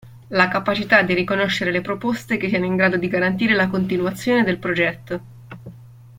La capacità di riconoscere le proposte che siano in grado di garantire la continuazione del progetto.